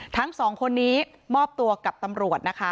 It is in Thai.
ทั้งสองคนนี้มอบตัวกับตำรวจนะคะ